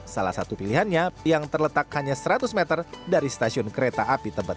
salah satu pilihannya yang terletak hanya seratus meter dari stasiun kereta api tebet